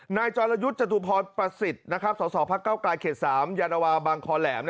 นายจรยุทธ์จตุพประสิทธิ์สศพกก๓ยบคแหลม